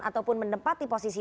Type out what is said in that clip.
ataupun menempati posisi